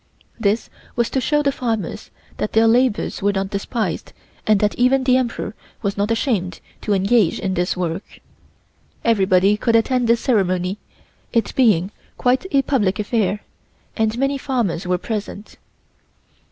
This was to show the farmers that their labors were not despised and that even the Emperor was not ashamed to engage in this work. Anybody could attend this ceremony, it being quite a public affair, and many farmers were present.